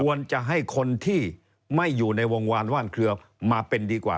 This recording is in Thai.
ควรจะให้คนที่ไม่อยู่ในวงวานว่านเคลือมาเป็นดีกว่า